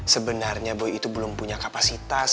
sebenarnya boy itu belum punya kapasitas